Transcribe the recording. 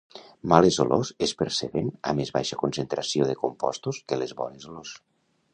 Males olors és perceben a més baixa concentració de compostos que les bones olors